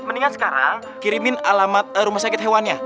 mendingan sekarang kirimin alamat rumah sakit hewannya